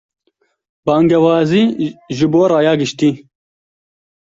Bangewazî ji bo raya giştî